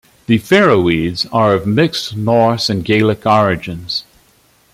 The Faroese are of mixed Norse and Gaelic origins.